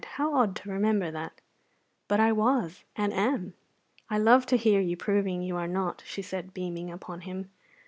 "How odd to remember that!" "But I was, and am." "I love to hear you proving you are not," said she, beaming upon him.